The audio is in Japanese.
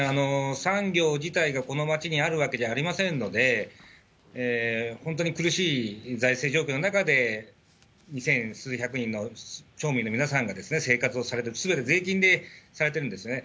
産業自体がこの街にあるわけじゃありませんので、本当に苦しい財政状況の中で、二千数百人の町民が生活をされてる、すべて税金でされてるんですね。